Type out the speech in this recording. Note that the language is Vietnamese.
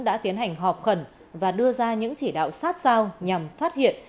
đã tiến hành họp khẩn và đưa ra những chỉ đạo sát sao nhằm phát hiện